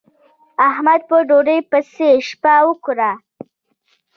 احمد په ډوډۍ پسې شپه وکړه.